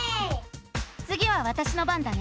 つぎはわたしの番だね。